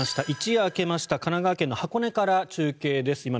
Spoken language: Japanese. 一夜明けました神奈川県の箱根から中継です。